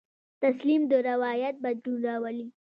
تسلیم د روایت بدلون راولي.